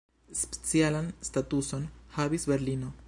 Specialan statuson havis Berlino.